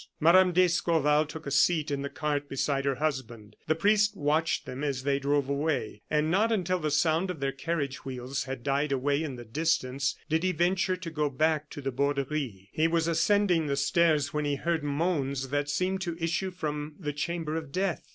Mme. d'Escorval took a seat in the cart beside her husband; the priest watched them as they drove away, and not until the sound of their carriage wheels had died away in the distance did he venture to go back to the Borderie. He was ascending the stairs when he heard moans that seemed to issue from the chamber of death.